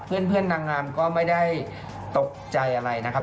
เพื่อนนางงามก็ไม่ได้ตกใจอะไรนะครับ